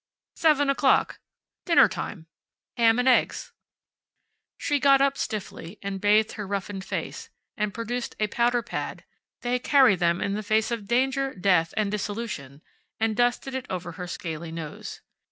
"Seven o'clock. Dinner time. Ham and eggs." She got up stiffly, and bathed her roughened face, and produced a powder pad (they carry them in the face of danger, death, and dissolution) and dusted it over her scaly nose.